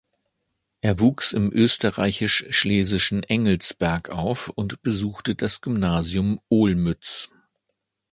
Er wuchs im österreichisch-schlesischen Engelsberg auf und besuchte das Gymnasium in Olmütz.